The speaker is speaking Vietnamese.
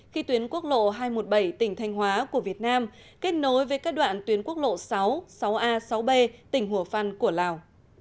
khi tuyến quốc lộ hai trăm một mươi bảy tỉnh thanh hóa của việt nam kết nối với các đoạn tuyến quốc lộ sáu sáu a sáu b tỉnh hồ phan của lào